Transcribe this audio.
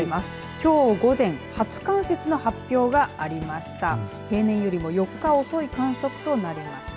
きょう午前初冠雪の発表がありました。